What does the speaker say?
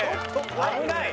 危ない！